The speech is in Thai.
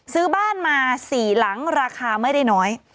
ซื้อบ้านมา๔หลังราคาไม่ได้น้อย